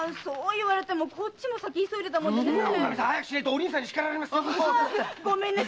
そう言われてもこっちも急いでたもんでね。